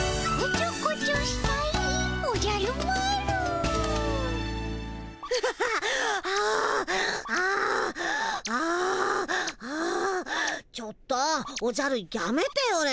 ちょっとおじゃるやめてよね。